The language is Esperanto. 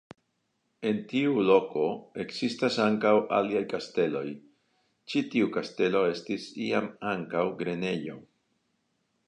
En tiu loko ekzistas ankaŭ aliaj kasteloj, ĉi tiu kastelo estis iam ankaŭ grenejo.